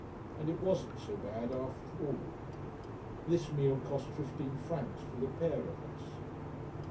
And it wasn't so bad after all. This meal cost fifteen francs, for the pair of us.